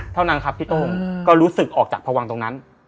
เท่านั้นครับพี่โต้งก็รู้สึกออกจากพวังตรงนั้น